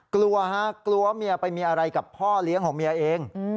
กลัวฮะกลัวเมียไปมีอะไรกับพ่อเลี้ยงของเมียเอง